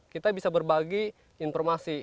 kita bisa berbagi informasi